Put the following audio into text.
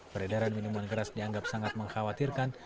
peredaran minuman keras dianggap sangat mengkhawatirkan